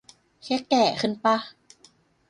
แค่แก่ขึ้นปะ